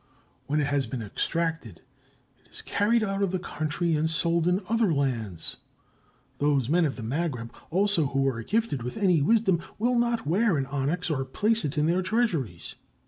When it has been extracted, it is carried out of the country and sold in other lands. Those men of the Magreb also who are gifted with any wisdom will not wear an onyx or place it in their treasuries.